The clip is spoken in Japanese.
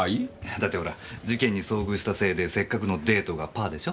だってほら事件に遭遇したせいでせっかくのデートがパアでしょ？